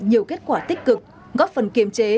nhiều kết quả tích cực góp phần kiềm chế